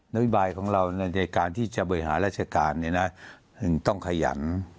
นโยบายของเราในการที่จะบริหารราชการต้องขยัน